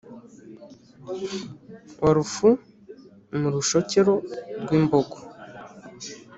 wa rufu mu rushokero rw’imbogo